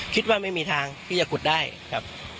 คิดว่าไม่มีทางที่จะขุดได้ครับ